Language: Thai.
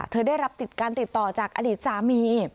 ได้รับการติดต่อจากอดีตสามี